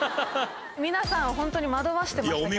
皆さんをホントに惑わしてましたけれども。